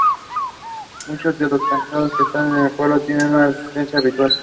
Muchos de los censados en el pueblo no tienen la residencia habitual.